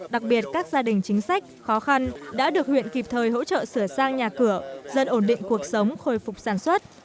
đặc biệt các gia đình chính sách khó khăn đã được huyện kịp thời hỗ trợ sửa sang nhà cửa dân ổn định cuộc sống khôi phục sản xuất